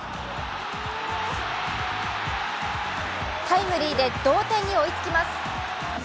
タイムリーで同点に追いつきます。